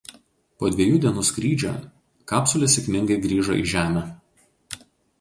Po dviejų dienų skrydžio kapsulė sėkmingai grįžo į Žemę.